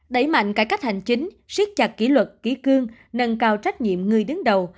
đẩy mạnh cải cách hành chính siết chặt kỷ luật kỷ cương nâng cao trách nhiệm người đứng đầu